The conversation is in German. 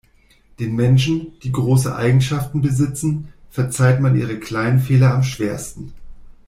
Den Menschen, die große Eigenschaften besitzen, verzeiht man ihre kleinen Fehler am schwersten.